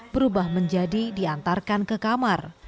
berubah menjadi diantarkan ke kamar